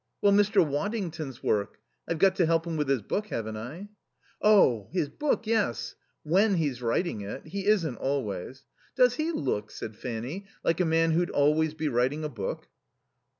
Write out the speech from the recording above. "Well, Mr. Waddington's work. I've got to help him with his book, haven't I?" "Oh, his book, yes. When he's writing it. He isn't always. Does he look," said Fanny, "like a man who'd always be writing a book?"